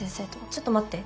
ちょっと待って。